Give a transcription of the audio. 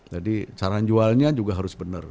jadi cara jualnya juga harus benar